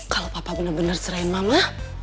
kalau papa bener bener serain mama